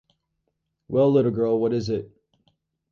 Well, little girl, what is it?